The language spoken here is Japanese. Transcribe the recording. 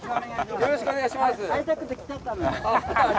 よろしくお願いします。